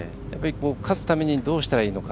勝つためにどうしたらいいのか。